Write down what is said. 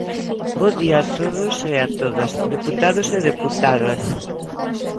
Bo día a todos e a todas, deputados e deputadas.